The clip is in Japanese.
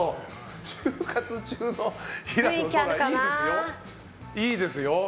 就活中の平野ノラ、いいですよ。